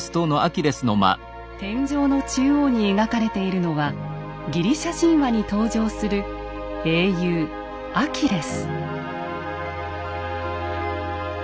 天井の中央に描かれているのはギリシャ神話に登場する英雄アキレス。